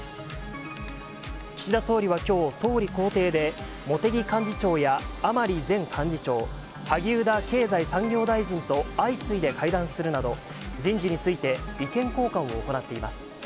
岸田総理はきょう、総理公邸で、茂木幹事長や甘利前幹事長、萩生田経済産業大臣と相次いで会談するなど、人事について意見交換を行っています。